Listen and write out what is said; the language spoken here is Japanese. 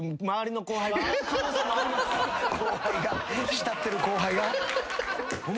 慕ってる後輩が？